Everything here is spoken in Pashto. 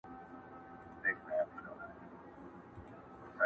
لکه په کلي کي بې کوره ونه٫